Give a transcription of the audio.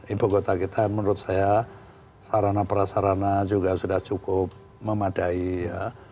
ibu kota kita menurut saya sarana prasarana juga sudah cukup memadai ya